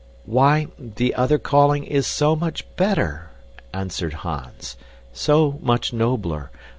"Why, the other calling is so much better," answered Hans, "so much nobler.